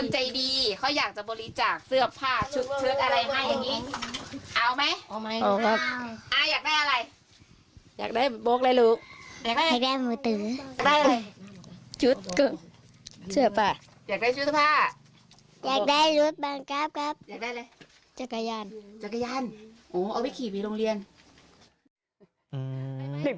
จักรยานโอ้โหเอาไว้ขี่ไปโรงเรียน